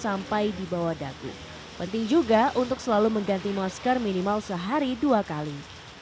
sampai di bawah dagu penting juga untuk selalu mengganti masker minimal sehari dua kali